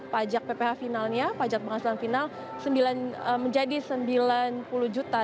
pajak pph finalnya pajak penghasilan final menjadi sembilan puluh juta